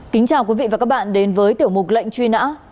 kính chào quý vị và các bạn đến với tiểu mục lệnh truy nã